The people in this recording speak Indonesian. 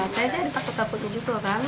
saya sih aku takut takut juga bang